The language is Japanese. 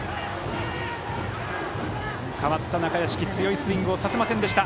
代わった中屋敷強いスイングをさせませんでした。